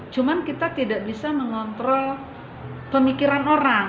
cuma kita tidak bisa mengontrol pemikiran orang